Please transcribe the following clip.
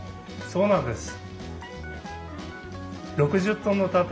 そうなんです。